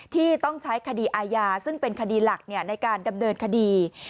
ที่ต้องใช้คดีอาญาซึ่งเป็นคดีหลักในการดำเนินคดี